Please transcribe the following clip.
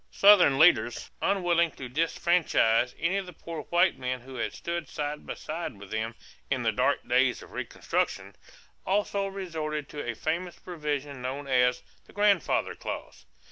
Southern leaders, unwilling to disfranchise any of the poor white men who had stood side by side with them "in the dark days of reconstruction," also resorted to a famous provision known as "the grandfather clause."